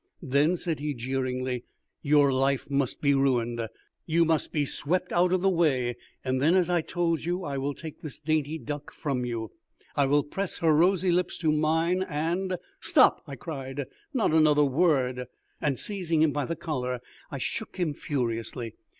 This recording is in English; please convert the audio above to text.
"Then," said he, jeeringly, "your life must be ruined. You must be swept out of the way, and then, as I told you, I will take this dainty duck from you, I will press her rosy lips to mine, and " "Stop!" I cried; "not another word;" and, seizing him by the collar, I shook him furiously.